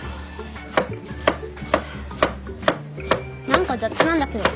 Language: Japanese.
何か雑なんだけど。